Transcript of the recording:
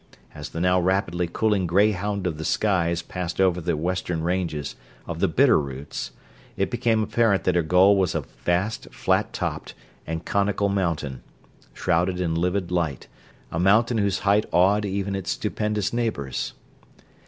As the now rapidly cooling greyhound of the skies passed over the western ranges of the Bitter Roots it became apparent that her goal was a vast, flat topped, and conical mountain, shrouded in livid light; a mountain whose height awed even its stupendous neighbors.